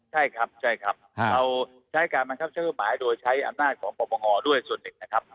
ใช่ครับใช่ครับเราใช้การบังคับใช้กฎหมายโดยใช้อำนาจของปปงด้วยส่วนหนึ่งนะครับ